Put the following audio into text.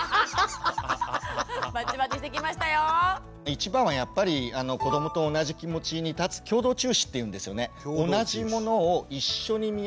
一番はやっぱり子どもと同じ気持ちに立つ「共同注視」っていうんですよね。